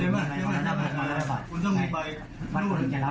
ว่าอยากขอเผาศพอืมเพราะว่าจะทำได้ไหม